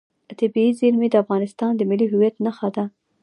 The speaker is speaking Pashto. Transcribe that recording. طبیعي زیرمې د افغانستان د ملي هویت نښه ده.